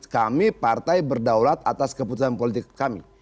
kami partai berdaulat atas keputusan politik kami